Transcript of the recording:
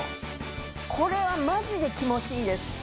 これはマジで気持ちいいです。